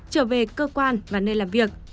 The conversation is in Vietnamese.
trở về cơ quan và nơi làm việc